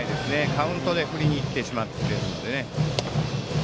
カウントで振りにいってしまっているので。